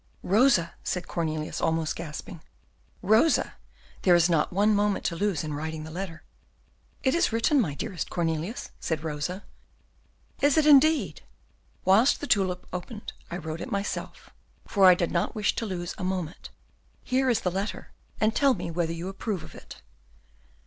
"Rosa," said Cornelius, almost gasping, "Rosa, there is not one moment to lose in writing the letter." "It is written, my dearest Cornelius," said Rosa. "Is it, indeed?" "Whilst the tulip opened I wrote it myself, for I did not wish to lose a moment. Here is the letter, and tell me whether you approve of it."